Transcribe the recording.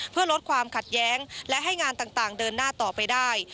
เพื่อลดความขัดแย้งและให้งานต่างเดินหน้าต่อไปได้